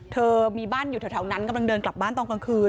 เธอมีบ้านอยู่แถวนั้นกำลังเดินกลับบ้านตอนกลางคืน